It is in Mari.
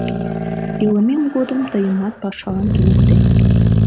Илымем годым тыйымат пашалан туныктынем.